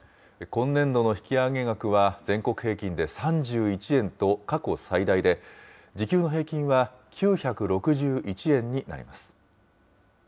今年度の引き上げ額は、全国平均で３１円と過去最大で、時給の平均は９６１円になります。